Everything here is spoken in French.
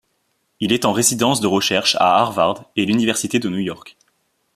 Il est en résidence de recherche à Harvard et l'université de New York.